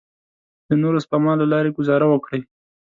د نورو سپماوو له لارې ګوزاره وکړئ.